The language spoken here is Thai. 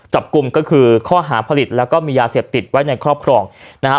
จับกลุ่มก็คือข้อหาผลิตแล้วก็มียาเสพติดไว้ในครอบครองนะฮะ